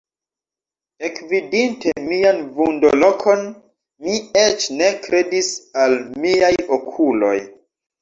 Ekvidinte mian vundo-lokon mi eĉ ne kredis al miaj okuloj.